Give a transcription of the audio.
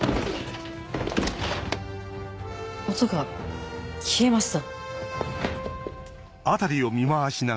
音が消えました。